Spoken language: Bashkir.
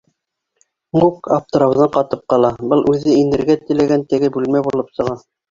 Мук аптырауҙан ҡатып ҡала, был үҙе инергә теләгән теге бүлмә булып сыға.